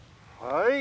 はい！